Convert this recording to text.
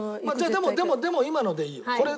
でも今のでいいよ。